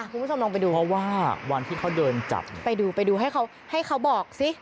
คุณผู้ชมลองไปดูเพราะว่าวันที่เขาเดินจับไปดูไปดูให้เขาให้เขาบอกสิ